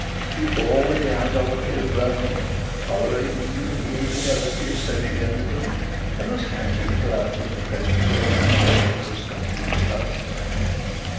He bore with the idolatry of Rome, tolerated even the infidelity of Socinianism, and was hand and glove with the Presbyterian Synods of Scotland and Ulster.